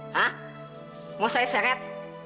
mau saya seret